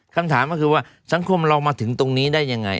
คำถามก็คือว่าสังคมเรามาถึงตรงนี้ได้ยังไง